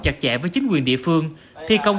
chặt chẽ với chính quyền địa phương thi công